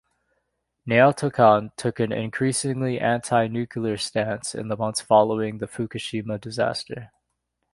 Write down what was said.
Naoto Kan took an increasingly anti-nuclear stance in the months following the Fukushima disaster.